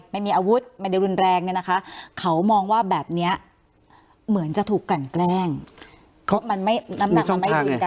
ไม่มีอาวุธไม่ได้รุนแรงเนี่ยนะคะเขามองว่าแบบเนี้ยเหมือนจะถูกกลั่นแกล้งเพราะมันไม่น้ำหนักมันไม่เหมือนกัน